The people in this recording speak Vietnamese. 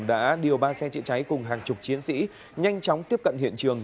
đã điều ba xe trị cháy cùng hàng chục chiến sĩ nhanh chóng tiếp cận hiện trường